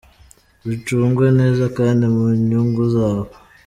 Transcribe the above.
bicungwe neza kandi mu nyungu zabo.